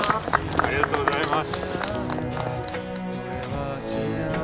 ありがとうございます。